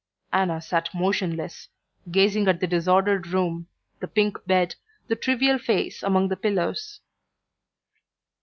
Anna sat motionless, gazing at the disordered room, the pink bed, the trivial face among the pillows.